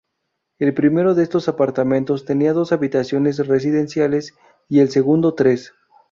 El primero de esos apartamentos tenía dos habitaciones residenciales y el segundo, tres.